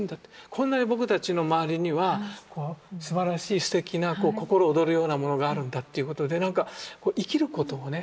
こんなに僕たちの周りにはすばらしいすてきなこう心躍るようなものがあるんだっていうことで生きることをね